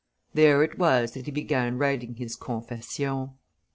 There it was that he began writing his Confessions.